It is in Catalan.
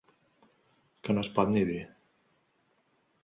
Que no es pot ni dir.